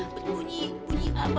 berbunyi bunyi apa